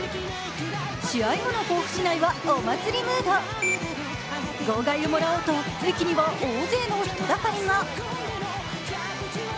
試合後の甲府市内は、お祭りムード号外をもらおうと、駅には大勢の人だかりが。